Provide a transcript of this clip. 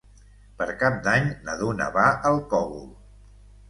Per Cap d'Any na Duna va al Cogul.